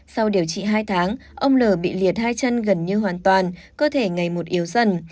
sau điều trị hai tháng ông l bị liệt hai chân gần như hoàn toàn cơ thể ngày một yếu dần